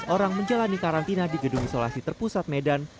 empat orang menjalani karantina di gedung isolasi terpusat medan